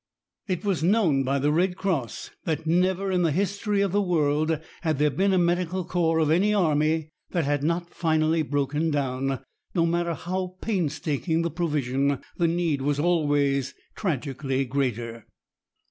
It was known by the Red Cross that never in the history of the world had there been a medical corps of any army that had not finally broken down. No matter how painstaking the provision, the need was always tragically greater.